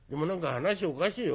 話おかしいよ。